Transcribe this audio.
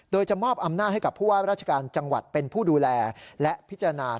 โดยจะมอบอำนาจให้กับผู้ว่าราชการจังหวัดเป็นผู้ดูแลและพิจารณา